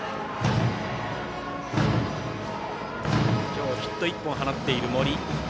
今日ヒット１本放っている森。